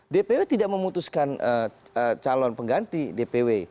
dpw tidak memutuskan calon pengganti dpw